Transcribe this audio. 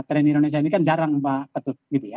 tren indonesia ini kan jarang pak ketut